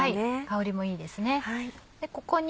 香りもいいですね。